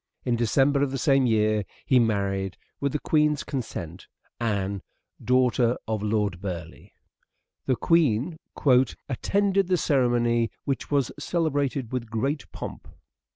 In December of the same year he married, with the Queen's consent, Anne, daughter of Lord Burleigh. The Queen " attended the ceremony which was celebrated with great pomp."